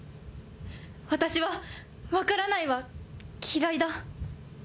私はわからないは嫌いだ。